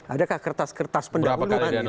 adakah kertas kertas pendahuluan